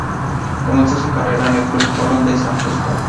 Comenzó su carrera en el Club Colón de San Justo.